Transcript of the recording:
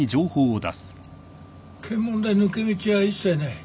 検問で抜け道は一切ない。